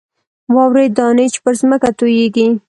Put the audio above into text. واورې دانې چې پر ځمکه تویېږي.